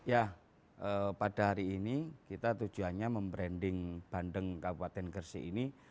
ya pada hari ini kita tujuannya membranding bandeng kabupaten gresik ini